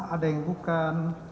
ada yang bukan